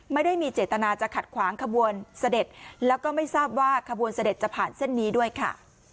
ไม่ได้มีเจตนาจะขัดขวางขบวนเสด็จแล้วก็ไม่ทราบว่าขบวนเสด็จจะผ่านเส้นนี้ด้วยค่ะ